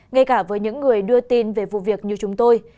ngay cả với những người đưa tin về vụ việc như chúng tôi